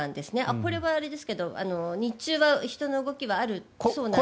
これはあれですけど日中は人の動きはあるそうなんです。